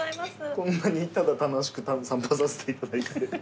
こんなにただ楽しく散歩させていただいて。